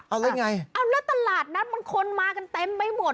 อะไรอย่างไรอ้าวแล้วตลาดนัดมันคนมากันเต็มไม่หมด